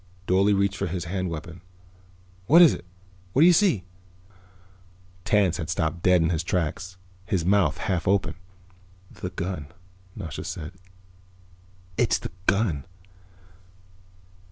Dorle reached for his hand weapon. "What is it? What do you see?" Tance had stopped dead in his tracks, his mouth half open. "The gun," Nasha said. "It's the gun."